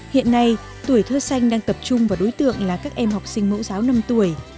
hiện nay tuổi thơ xanh đang tập trung vào đối tượng là các em học sinh mẫu giáo năm tuổi